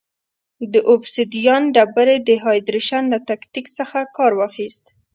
د اوبسیدیان ډبرې د هایدرېشن له تکتیک څخه کار واخیست.